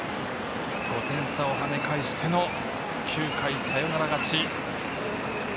５点差をはね返しての９回サヨナラ勝ち。